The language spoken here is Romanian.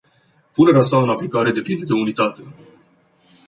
Punerea sa în aplicare depinde de unitate.